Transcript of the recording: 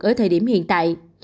ở thời điểm hiện tại